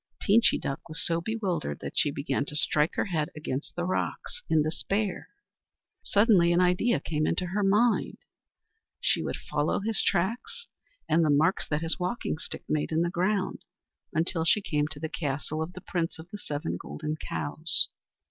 Teenchy Duck was so bewildered that she began to strike her head against the rocks in despair. Suddenly an idea came into her mind. She would follow his tracks and the marks that his walking stick made in the ground until she came to the castle of the Prince of the Seven Golden Cows.